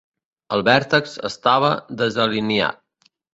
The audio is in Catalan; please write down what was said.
El vèrtex estava desalineat.